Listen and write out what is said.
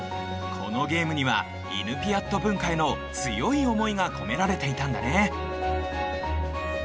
このゲームにはイヌピアット文化への強い思いが込められていたんだね